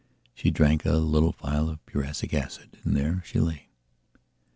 She drank the little phial of prussic acid and there she lay.